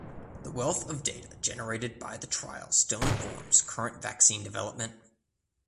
The wealth of data generated by the trial still informs current vaccine development.